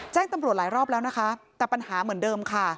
แจ้งตำรวจหลายรอบแล้วนะคะแต่ปัญหาเหมือนเดิมค่ะ